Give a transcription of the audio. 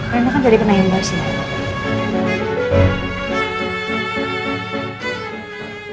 rena kan jadi kenainan sih